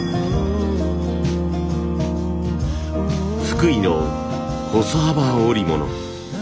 福井の細幅織物。